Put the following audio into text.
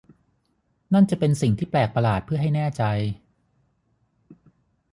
นั่นจะเป็นสิ่งที่แปลกประหลาดเพื่อให้แน่ใจ !